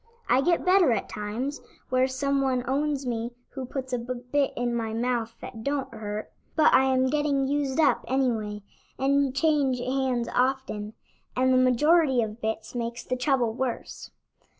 I get better at times where some one owns me who puts a bit in my mouth that don't hurt; but I am getting used up anyway, and change hands often, and the majority of bits makes the trouble worse."